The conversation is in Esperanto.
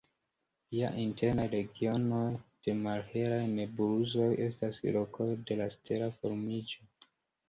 La internaj regionoj de malhelaj nebulozoj estas lokoj de la stela formiĝo.